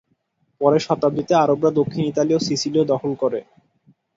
পরের শতাব্দীতে আরবরা দক্ষিণ ইতালি ও সিসিলিও দখল করে।